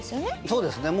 そうですね。